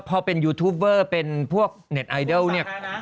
พอเป็นยูทูปเวอร์เป็นพวกเน็ตไอดอลเนี่ย